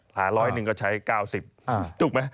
ร้อยหนึ่งก็ใช้๙๐ถูกไหม